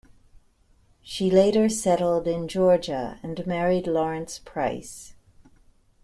She later settled in Georgia and married Lawrence Price.